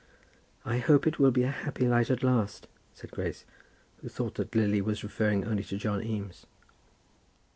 "I hope it will be a happy light at last," said Grace, who thought that Lily was referring only to John Eames.